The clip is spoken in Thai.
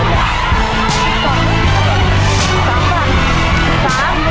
ว้าว